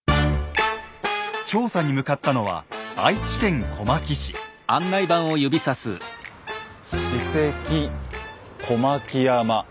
調査に向かったのは史跡小牧山。